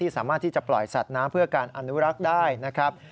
สามารถที่จะปล่อยสัตว์น้ำเพื่อการอนุรักษ์ได้นะครับ